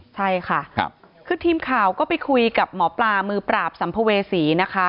ใช่ค่ะคือทีมข่าวก็ไปคุยกับหมอปลามือปราบสัมภเวษีนะคะ